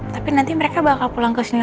tapi nanti mereka bakal pulang kesini